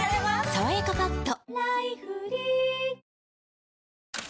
「さわやかパッド」